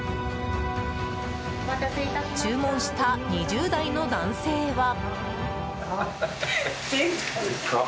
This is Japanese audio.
注文した２０代の男性は。